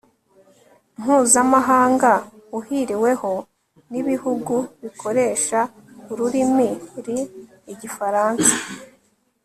Mpuzamahanga uhuriweho n ibihugu bikoresha ururimi r Igifaransa